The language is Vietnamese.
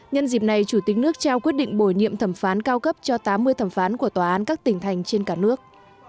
nhân dịp này chủ tịch nước trao quyết định bổ nhiệm thẩm phán cao cấp cho tám mươi thẩm phán của tòa án các tỉnh thành trên cả nước